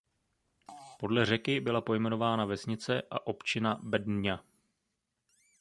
Podle řeky byla pojmenována vesnice a opčina Bednja.